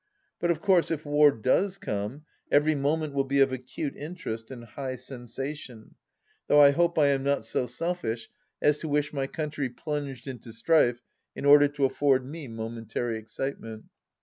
But of course if war does come, every moment will be of acute interest and high sensation, though I hope I am not so selfish as to wish my country plunged into strife in order to afford me momentary excitement.